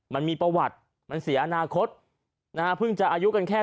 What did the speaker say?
มันมีประวัติมันเสียอนาคตนะฮะเพิ่งจะอายุกันแค่